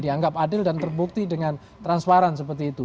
dianggap adil dan terbukti dengan transparan seperti itu